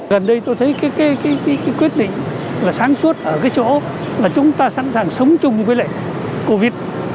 gần đây tôi thấy cái quyết định là sáng suốt ở cái chỗ là chúng ta sẵn sàng sống chung với lại covid